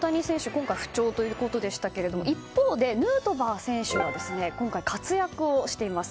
今回不調ということでしたが一方でヌートバー選手は今回、活躍をしています。